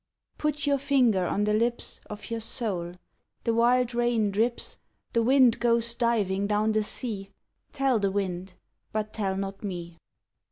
Put your finger on the lips Of your soul; the wild rain drips; The wind goes diving down the sea; Tell the wind, but tell not me.